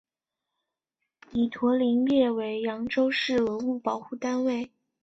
祗陀林列为扬州市文物保护单位。